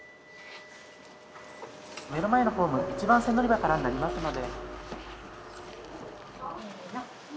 目の前のホーム１番線乗り場からになりますので。